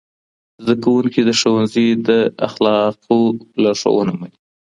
زدهکوونکي د ښوونځي د اخلاقو لارښوونه مني.